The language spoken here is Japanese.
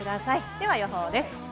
では予報です。